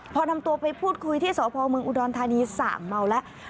พอนำตัวไปพูดคุยที่สพเมืองอุดรธานีส่างเมาแล้ว